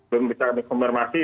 belum bisa kami konfirmasi